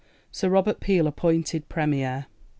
Sir Robert Peel appointed Premier.